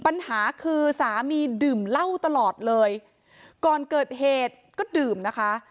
ปัญหาคือสามีดื่มเหล้าตลอดเลยก่อนเกิดเหตุก็ดื่มนะคะ